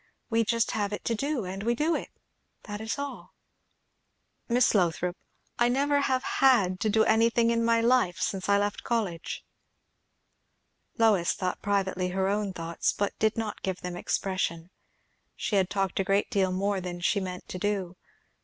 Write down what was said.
"We just have it to do, and we do it; that is all." "Miss Lothrop, I never have had to do anything in my life, since I left college." Lois thought privately her own thoughts, but did not give them expression; she had talked a great deal more than she meant to do.